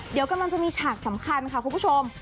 เดี๋ยวกำลังจะมีฉากสำคัญค่ะคุณผู้ชม